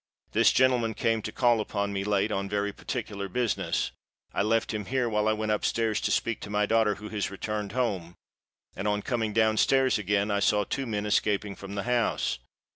This gentleman came to call upon me late—on very particular business—I left him here, while I went up stairs to speak to my daughter, who has returned home—and, on coming down stairs again, I saw two men escaping from the house.